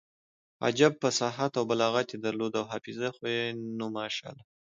عجب فصاحت او بلاغت يې درلود او حافظه خو يې نو ماشاالله.